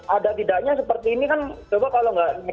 ada tidaknya seperti ini kan coba kalau nggak